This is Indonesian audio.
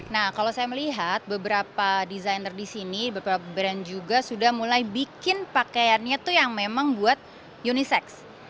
nah kalau saya melihat beberapa desainer di sini beberapa brand juga sudah mulai bikin pakaiannya tuh yang memang buat unisex